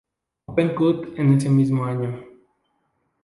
Open Cup en ese mismo año.